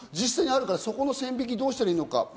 そこの線引きをどうしたらいいのか。